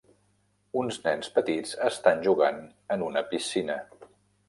Uns nens petits estan jugant en una piscina.